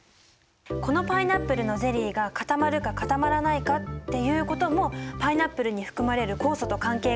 このパイナップルのゼリーが固まるか固まらないかっていうこともパイナップルに含まれる酵素と関係があるんだよ。